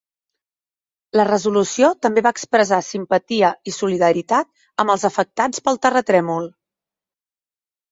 La resolució també va expressar simpatia i solidaritat amb els afectats pel terratrèmol.